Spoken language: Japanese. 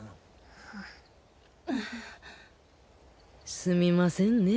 すみませんねぇ